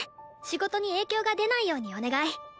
仕事に影響が出ないようにお願い。